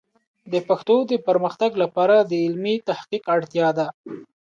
د پښتو د پرمختګ لپاره د علمي تحقیق اړتیا ده.